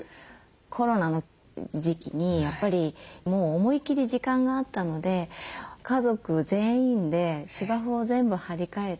コロナの時期にやっぱりもう思いきり時間があったので家族全員で芝生を全部張り替えて。